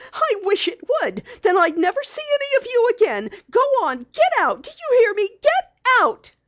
I wish it would! Then I'd never see any of you again! Go on get out! Do you hear me? Get out!"